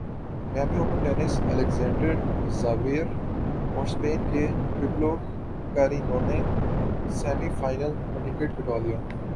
Miami Open tennis Alexander Zverev اورسپین کے Pablo Carreno نے سیمی فائنل کا ٹکٹ کٹوا لیا